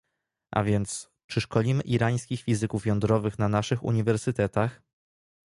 A więc, czy szkolimy irańskich fizyków jądrowych na naszych uniwersytetach?